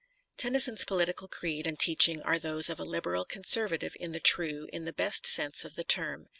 * Tennyson's political creed and teaching are those of a liberal conservative in the true, in the best sense of the term.